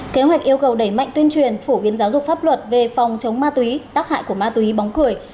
kế hoạch yêu cầu đẩy mạnh tuyên truyền phổ biến giáo dục pháp luật về phòng chống ma túy tác hại của ma túy bóng cười